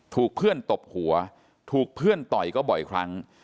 ถูกเพื่อนตบหัวถูกเพื่อนต่อยก็บ่อยครั้ง